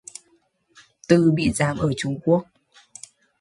Từ bị giam ở Trung Quốc